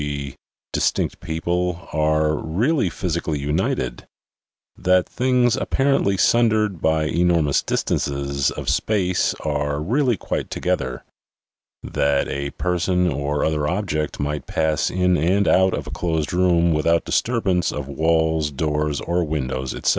g., dis tinct people, are really physically united; that things ap parently sundered by enormous distances of space are really quite together; that a person or other object might pass in and out of a closed room without disturbance of walls, doors or windows, etc.